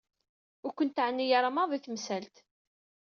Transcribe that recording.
Ur ken-teɛni ara maḍi temsalt.